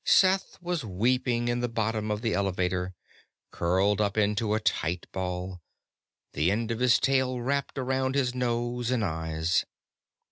Seth was weeping in the bottom of the Elevator, curled up into a tight ball, the end of his tail wrapped around his nose and eyes.